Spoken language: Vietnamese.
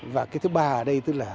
và cái thứ ba ở đây tức là